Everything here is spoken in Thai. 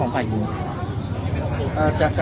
ของข้างด้านนั้นลักษณะ